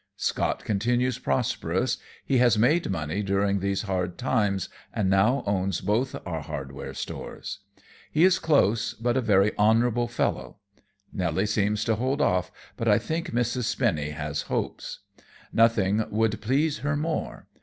Scott continues prosperous; he has made money during these hard times and now owns both our hardware stores. He is close, but a very honorable fellow. Nelly seems to hold off, but I think Mrs. Spinny has hopes. Nothing would please her more.